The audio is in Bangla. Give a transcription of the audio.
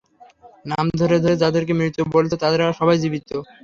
নাম ধরে ধরে যাদেরকে মৃত বলছ, তারা সবাই জীবিত।